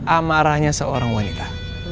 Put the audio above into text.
amarahnya seorang wanita